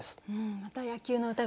また野球の歌が。